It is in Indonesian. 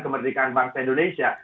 kemerdekaan bangsa indonesia